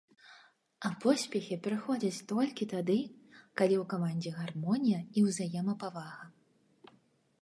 А поспехі прыходзяць толькі тады, калі ў камандзе гармонія і ўзаемапавага.